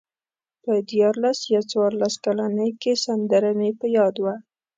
په دیارلس یا څوارلس کلنۍ کې سندره مې په یاد وه.